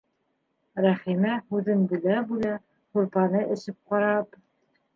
Рәхимә, һүҙен бүлә-бүлә, һурпаны эсеп ҡарап: